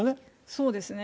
そうですね。